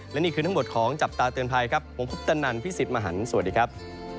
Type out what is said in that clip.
และนี่คือทั้งหมดของจับตาเตือนภัยครับผมคุปตนันพี่สิทธิ์มหันฯสวัสดีครับ